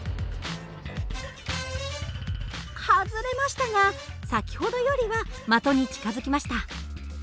外れましたが先ほどよりは的に近づきました。